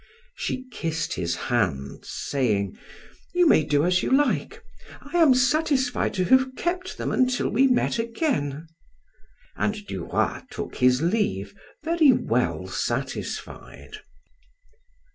She kissed his hands, saying: "You may do as you like. I am satisfied to have kept them until we met again." And Du Roy took his leave very well satisfied.